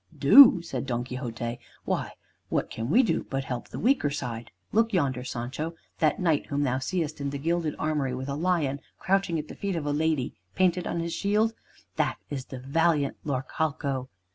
"Do!" said Don Quixote, "why, what can we do but help the weaker side? Look yonder, Sancho, that knight whom thou seest in the gilded armory with a lion crouching at the feet of a lady painted on his shield, that is the valiant Laurcalco.